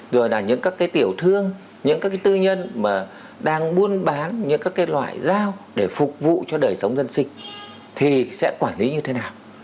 rồi là những các cái tiểu thương những các tư nhân mà đang buôn bán những các loại dao để phục vụ cho đời sống dân sinh thì sẽ quản lý như thế nào